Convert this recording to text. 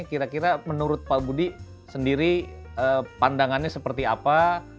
kira kira menurut pak budi sendiri pandangannya seperti apa